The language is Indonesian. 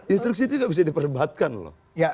instruksi itu nggak bisa diperdebatkan loh